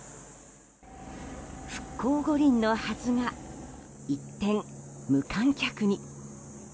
復興五輪のはずが一転無観客に。